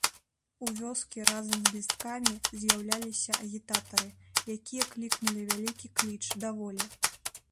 У вёскі разам з лісткамі з'яўляліся агітатары, якія клікнулі вялікі кліч да волі.